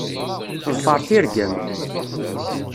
Ḍfeṛ tirga-m.